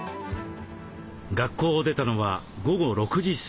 学校を出たのは午後６時すぎ。